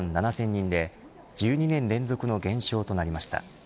人で１２年連続の減少となりました。